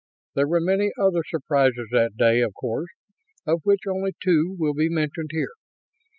There were many other surprises that day, of course; of which only two will be mentioned here.